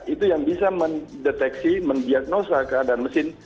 itu yang bisa mendeteksi mendiagnosa keadaan mesin